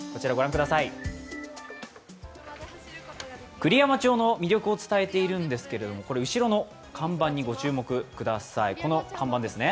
栗山町の魅力を伝えているんですけれども後ろの看板にご注目ください。